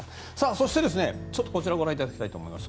そして、こちらをご覧いただきたいと思います。